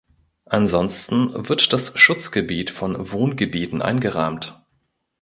Ansonsten wird das Schutzgebiet von Wohngebieten eingerahmt.